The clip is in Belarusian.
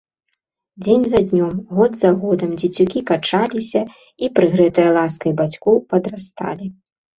Дзень за днём, год за годам дзецюкі качаліся і, прыгрэтыя ласкай бацькоў, падрасталі.